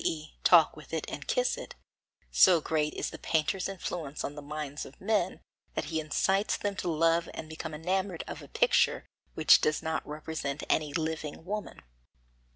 e. talk with it and kiss it; so great is the painter's influence on the minds of men that he incites them to love and become enamoured of a picture which does not represent any living woman.